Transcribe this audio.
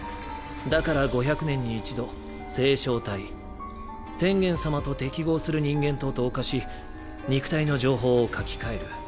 だから５００年に一度星漿体天元様と適合する人間と同化し肉体の情報を書き換える。